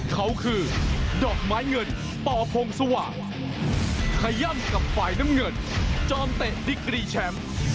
เขาคือดอกไม้เงินป่อพงสว่างขย่ำกับฝ่ายน้ำเงินจอมเตะดิกรีแชมป์